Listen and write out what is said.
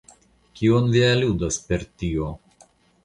Kion vi aludas per tio?